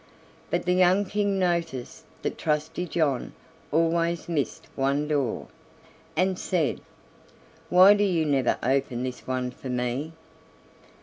But the young King noticed that Trusty John always missed one door, and said: "Why do you never open this one for me?"